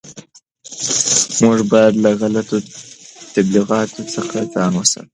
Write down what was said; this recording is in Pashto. موږ باید له غلطو تبلیغاتو څخه ځان وساتو.